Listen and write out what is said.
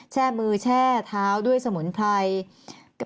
แช่มือแช่เท้าด้วยสมุนไพร